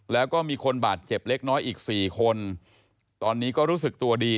แล้วก็มีคนบาดเจ็บเล็กน้อยอีก๔คนตอนนี้ก็รู้สึกตัวดี